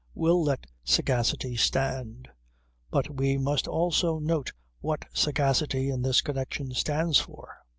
We'll let sagacity stand. But we must also note what sagacity in this connection stands for.